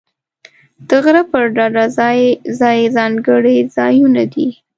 د غره پر ډډه ځای ځای ځانګړي ځایونه دي.